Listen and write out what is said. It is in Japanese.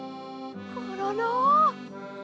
コロロ。